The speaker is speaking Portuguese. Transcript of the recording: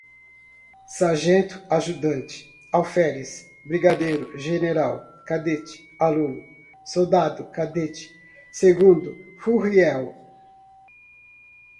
Sargento-Ajudante, Alferes, Brigadeiro-General, Cadete-Aluno, Soldado-Cadete, Segundo-Furriel